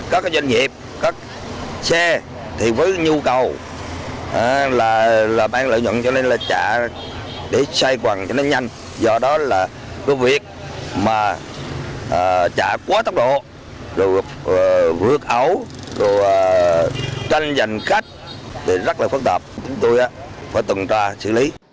có cái doanh nghiệp có cái xe thì với nhu cầu là bán lựa nhuận cho nha là để xoay quần cho nó nhanh